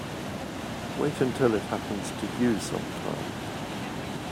Wait until it happens to you sometime.